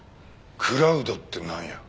クラウドってなんや？